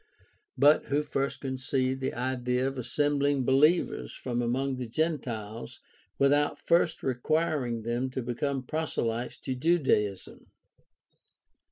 But who first conceived the idea of assembling believers from among the Gentiles without first requiring them to become proselytes to Judaism